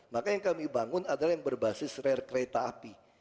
maka yang kami bangun adalah yang berbasis rare kereta api